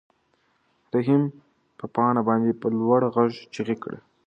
رحیم په پاڼه باندې په لوړ غږ چیغې کړې.